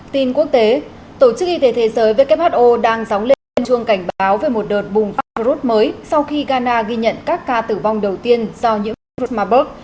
tin quốc tế tổ chức y tế thế giới who đang sóng lên chuông cảnh báo về một đợt bùng phát virus mới sau khi ghana ghi nhận các ca tử vong đầu tiên do nhiễm virus marburg